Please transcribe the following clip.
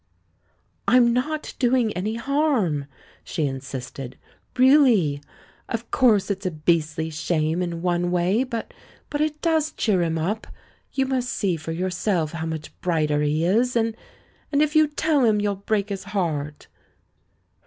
"I'm not doing any harm," she insisted, "real ly! Of course it's a beastly shame in one way, but — but it does cheer him up. You must see for yourself how much brighter he is. And — and if you tell him, you'll break his heart."